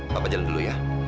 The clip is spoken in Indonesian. papa jalan dulu ya